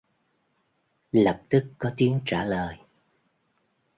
Lập tức có tiếng trả lời